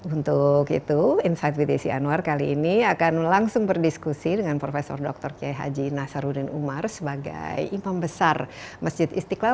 untuk itu insight with desi anwar kali ini akan langsung berdiskusi dengan prof dr kiai haji nasaruddin umar sebagai imam besar masjid istiqlal